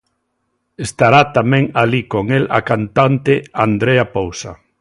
Estará tamén alí con el a cantante Andrea Pousa.